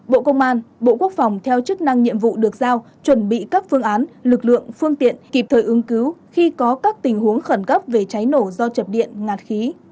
bộ công an bộ quốc phòng theo chức năng nhiệm vụ được giao chuẩn bị các phương án lực lượng phương tiện kịp thời ứng cứu khi có các tình huống khẩn cấp về cháy nổ do chập điện ngạt khí